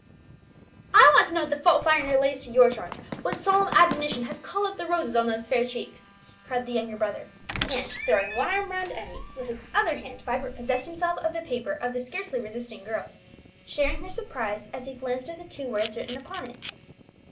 "I want to know what the fault finder lays to your charge, what solemn admonition has called up the roses on those fair cheeks!" cried the younger brother; and throwing one arm round Emmie, with his other hand Vibert possessed himself of the paper of the scarcely resisting girl, sharing her surprise as he glanced at the two words written upon it.